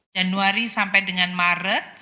januari sampai dengan maret